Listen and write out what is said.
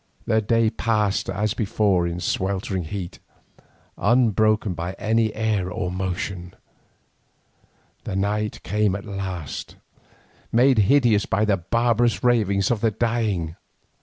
The day passed as before in sweltering heat, unbroken by any air or motion, and night came at last, made hideous by the barbarous ravings of the dying.